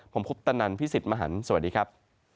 ผมคุปตะนันพี่สิทธิ์มหันฯสวัสดีครับ